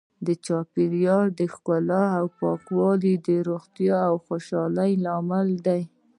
د چاپیریال ښکلا او پاکوالی د روغتیا او خوشحالۍ لامل دی.